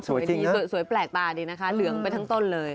สวยแปลกตาดีนะคะเหลืองไปทั้งต้นเลย